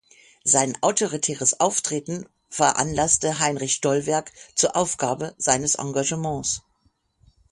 Sein autoritäres Auftreten veranlasste Heinrich Stollwerck zur Aufgabe seines Engagements.